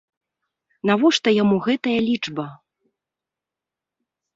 Навошта яму гэтая лічба?